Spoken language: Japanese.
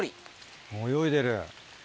泳いでる。